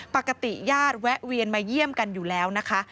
ปกติญาติแวะเวียนมาเยี่ยมกันอยู่แล้วนะคะ